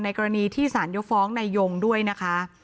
ในกรณีที่สารยฟ้องในยงด้วยนะคะ